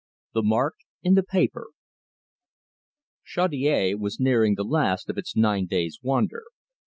THE MARK IN THE PAPER Chaudiere was nearing the last of its nine days' wonder.